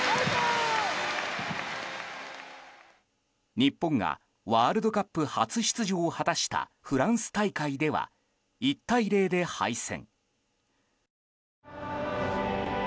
日本がワールドカップ初出場を果たしたフランス大会では１対０で敗戦。